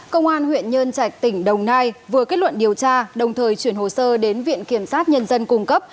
công an huyện nhân trạch tỉnh đồng nai vừa kết luận điều tra đồng thời chuyển hồ sơ đến viện kiểm sát nhân dân cung cấp